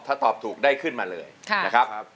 ถ้าตอบถูกได้ขึ้นมาเลยนะครับ